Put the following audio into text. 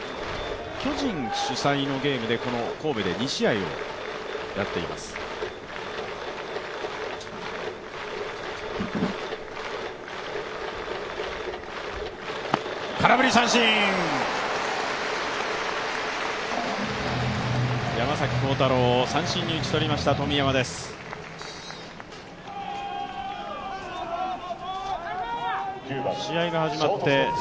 一方、ヤクルトも巨人主催のゲームでこの神戸で２試合をやっています。